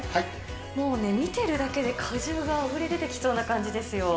もうね、見てるだけで果汁があふれ出てきそうな感じですよ。